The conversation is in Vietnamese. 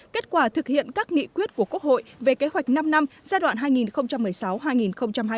kết quả thực hiện các nghị quyết của quốc hội về kế hoạch năm năm giai đoạn hai nghìn một mươi sáu hai nghìn hai mươi